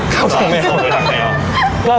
เข้าทางแมว